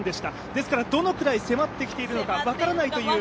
ですからどのくらい迫ってきているのか分からないという。